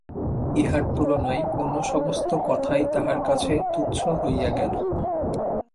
ইহার তুলনায় অন্য সমস্ত কথাই তাহার কাছে তুচ্ছ হইয়া গেল।